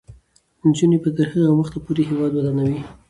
نجونې به تر هغه وخته پورې هیواد ودانوي.